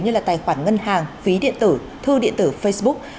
như là tài khoản ngân hàng ví điện tử thư điện tử facebook